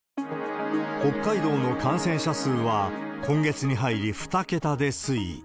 北海道の感染者数は、今月に入り２桁で推移。